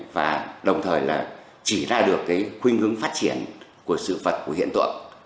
và đồng thời là chỉ ra được cái khuyên hướng phát triển của sự phật của hiện tượng